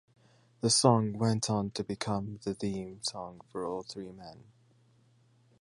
The song went on to become the theme song for all three men.